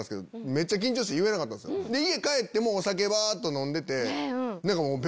家帰ってもお酒バっと飲んでて。